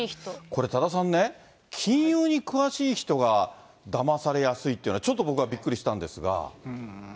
これ、多田さんね、金融に詳しい人がだまされやすいっていうのは、ちょっと僕はびっくりしたんですが。